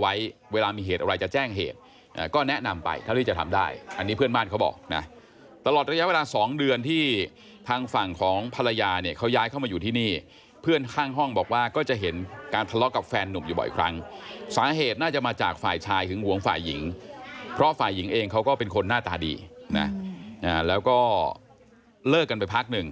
ไว้เวลามีเหตุอะไรจะแจ้งเหตุก็แนะนำไปเท่าที่จะทำได้อันนี้เพื่อนบ้านเขาบอกนะตลอดระยะเวลาสองเดือนที่ทางฝั่งของภรรยาเนี่ยเขาย้ายเข้ามาอยู่ที่นี่เพื่อนข้างห้องบอกว่าก็จะเห็นการทะเลาะกับแฟนหนุ่มอยู่บ่อยครั้งสาเหตุน่าจะมาจากฝ่ายชายหึงหวงฝ่ายหญิงเพราะฝ่ายหญิงเองเขาก็เป็นคนหน้าตาดีนะแล้วก็เลิกกันไปพักหนึ่ง